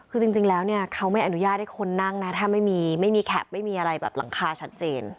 คือจริงแล้วเนี่ยเขาไม่อนุญาตให้คนนั่งนะถ้าไม่มีไม่มีแคปไม่มีอะไรแบบหลังคาชัดเจน